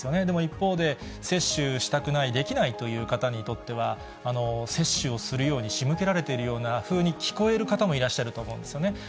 でも一方で、接種したくない、できないという方にとっては、接種をするように仕向けられているようなふうに聞こえる方もいらっしゃると思うんですよね。